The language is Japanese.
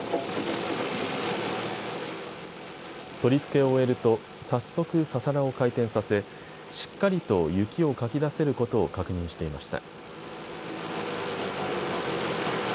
取り付けを終えると早速、ササラを回転させしっかりと雪をかき出せることを確認していました。